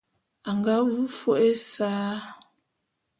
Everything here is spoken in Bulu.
A nga vu fo’o ésa.